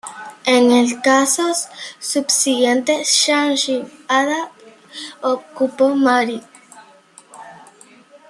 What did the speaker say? En el casos subsiguiente, Shamshi-Adad ocupó Mari.